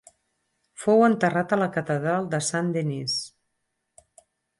Fou enterrat a la catedral de Saint-Denis.